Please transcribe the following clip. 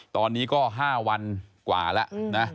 ตอนนี้ก็๕วันกว่าแล้วนะ